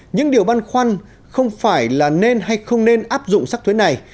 những điều băn khoăn không phải là nên hay không nên áp dụng sắc thuế này